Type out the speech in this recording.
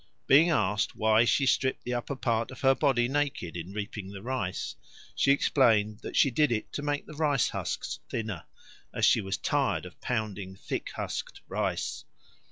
Being asked why she stripped the upper part of her body naked in reaping the rice, she explained that she did it to make the rice husks thinner, as she was tired of pounding thick husked rice.